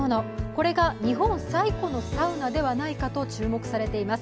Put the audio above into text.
これが日本最古のサウナではないかと注目されています。